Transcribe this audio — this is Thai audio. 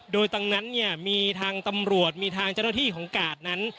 โดยตรงนั้นเนี่ยมีทางตำรวจมีทางเจ้าหน้าที่ของกาดนั้น